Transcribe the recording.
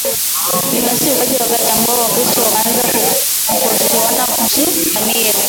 Basi ukaja wakati ambao Wakristo wakaanza kukosoana kuhusu dhamiri